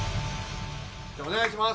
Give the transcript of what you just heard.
じゃお願いします。